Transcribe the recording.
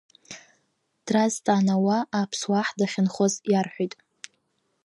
Дразҵаан ауаа, аԥсуа аҳ дахьынхоз иарҳәет.